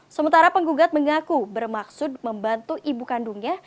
sementara penggugat mengaku bermaksud membantu ibu kandungnya